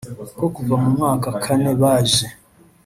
ko kuva mu mwaka kane baje